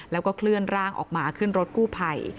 แล้วก็เคลื่อนร่างออกมาขึ้นรถกู้ภัย